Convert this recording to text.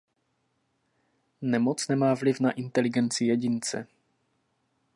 Nemoc nemá vliv na inteligenci jedince.